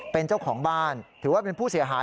เป็นเจ้าของบ้านถือว่าเป็นผู้เสียหาย